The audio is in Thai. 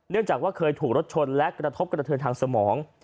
จากว่าเคยถูกรถชนและกระทบกระเทินทางสมอง